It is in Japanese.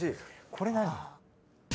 ・これ何？